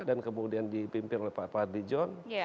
dan kemudian dipimpin oleh pak adli john